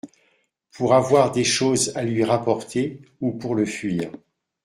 pour avoir des choses à lui rapporter, ou pour le fuir